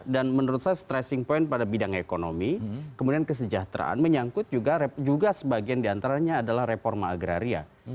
dan menurut saya stressing point pada bidang ekonomi kemudian kesejahteraan menyangkut juga sebagian diantaranya adalah reforma agraria